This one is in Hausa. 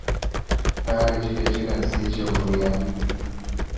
Na gaji da jiran sai Jauro ya yi.